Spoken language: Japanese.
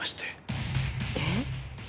えっ？